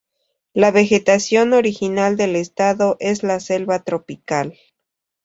La vegetación original del estado es la selva tropical.